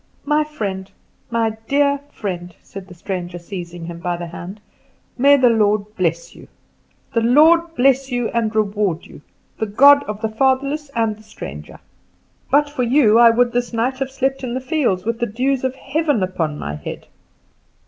"My friend, my dear friend," said the stranger, seizing him by the hand, "may the Lord bless you, the Lord bless and reward you the God of the fatherless and the stranger. But for you I would this night have slept in the fields, with the dews of heaven upon my head."